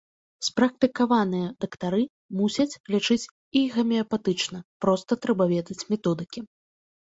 Спрактыкаваныя дактары мусяць лячыць і гамеапатычна, проста трэба ведаць методыкі.